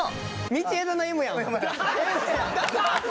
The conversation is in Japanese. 道枝の「Ｍ」や！